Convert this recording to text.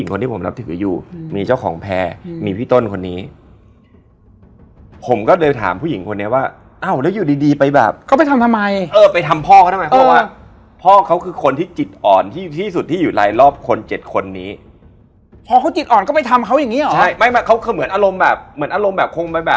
เคยมีหลายคนเดินมาทักแอร์ด้วยว่าเคยทำแทงหรือเปล่า